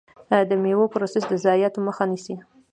د میوو پروسس د ضایعاتو مخه نیسي.